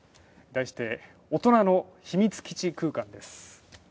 題して大人の秘密基地空間です。